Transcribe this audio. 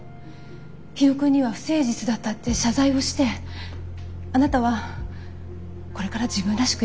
火野くんには不誠実だったって謝罪をしてあなたはこれから自分らしく生きていきますって。